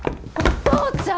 お父ちゃん！